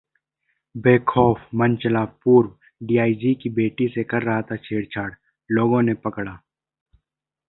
बेखौफ मनचला पूर्व डीआईजी की बेटी से कर रहा था छेड़छाड़, लोगों ने पकड़ा